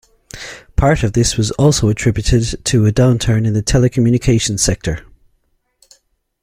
Part of this was also attributed to a downturn in the telecommunications sector.